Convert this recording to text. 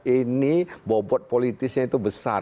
ini bobot politisnya itu besar